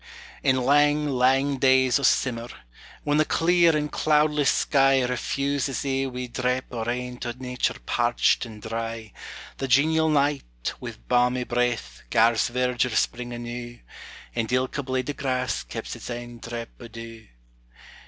In lang, lang days o' simmer, when the clear and cloudless sky Refuses ae wee drap o' rain to nature parched and dry, The genial night, wi' balmy breath, gars verdure spring anew, And ilka blade o' grass keps its ain drap o' dew.